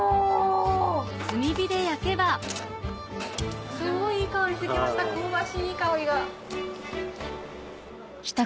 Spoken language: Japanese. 炭火で焼けばすごいいい香りして来ました香ばしいいい香りが。